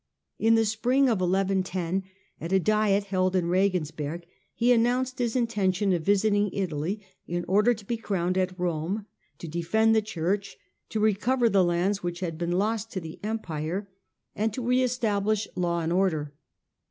In the spring of 1110, at a diet held in Regensberg, he announced his intention of visiting Italy in order to be crowned at Some, to defend the Church, to recover the lands which had been lost to the empire, and to Digitized by VjOOQIC I90 HiLDEBRAND re establish law and order.